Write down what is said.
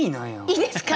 いいですか？